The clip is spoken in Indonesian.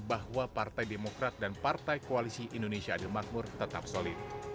bahwa partai demokrat dan partai koalisi indonesia adil makmur tetap solid